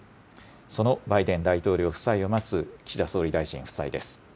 そのバイデン大統領夫妻を待つ岸田総理大臣夫妻です。